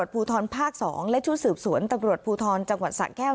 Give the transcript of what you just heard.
ภูทรภาค๒และชุดสืบสวนตำรวจภูทรจังหวัดสะแก้ว